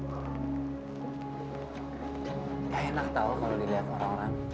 nggak enak tahu kalau dilihat orang orang